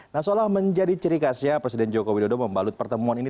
nah seolah menjadi ciri khasnya presiden joko widodo membalut pertemuan ini